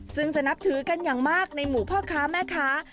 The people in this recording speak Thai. ซึ่งจะนับถือกันอย่างมากในหมู่พ่อค้าแม่ค้า